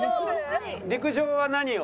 陸上は何を？